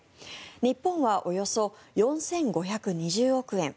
日本はおよそ４５２０億円。